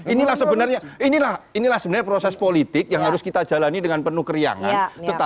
inilah sebenarnya proses politik yang harus kita jalani dengan penuh keriangan